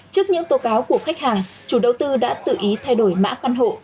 trước những tố cáo của khách hàng chủ đầu tư đã tự ý thay đổi mã căn hộ